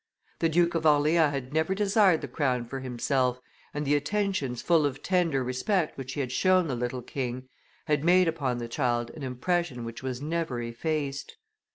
The Duke of Orleans had never desired the crown for himself, and the attentions full of tender respect which he had shown the little king had made upon the child an impression which was never effaced.